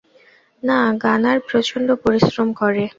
না, গানার প্রচন্ড পরিশ্রম করে।